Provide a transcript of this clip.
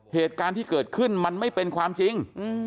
เหตุการณ์ที่เกิดขึ้นมันไม่เป็นความจริง